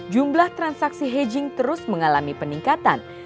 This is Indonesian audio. jumlah transaksi hedging terus mengalami peningkatan